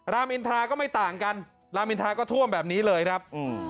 รามอินทราก็ไม่ต่างกันรามอินทราก็ท่วมแบบนี้เลยครับ